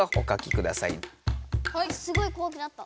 すごいこわくなった。